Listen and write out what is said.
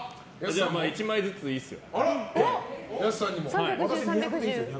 １枚ずつ、いいですよ。